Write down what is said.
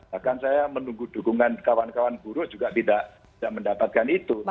bahkan saya menunggu dukungan kawan kawan buruh juga tidak mendapatkan itu